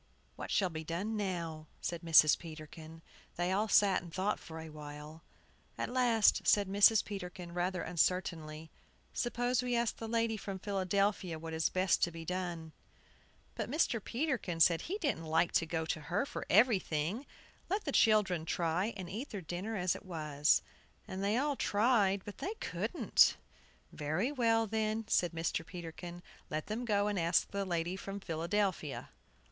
"What shall be done now?" said Mrs. Peterkin. They all sat and thought for a little while. At last said Mrs. Peterkin, rather uncertainly, "Suppose we ask the lady from Philadelphia what is best to be done." But Mr. Peterkin said he didn't like to go to her for everything; let the children try and eat their dinner as it was. And they all tried, but they couldn't. "Very well, then." said Mr. Peterkin, "let them go and ask the lady from Philadelphia."